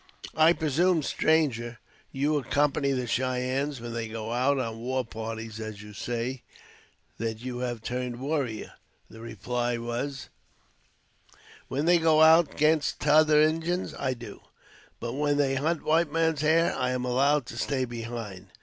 "I presume, stranger, you accompany the Cheyennes when they go out on war parties, as you say that you have turned warrior." The reply was: "When they go out 'gainst t'other Injins, I do; but when they hunt white men's hair, I am allowed to stay behind.